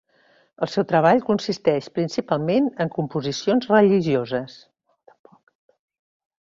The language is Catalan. El seu treball consisteix principalment en composicions religioses.